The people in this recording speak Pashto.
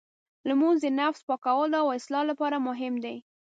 لمونځ د نفس پاکولو او اصلاح لپاره مهم دی.